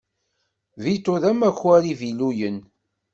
Vito d amakar iviluyen.